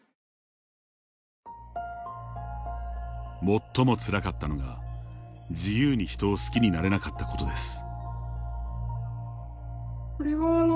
最もつらかったのが、自由に人を好きになれなかったことです。